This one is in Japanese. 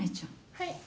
はい。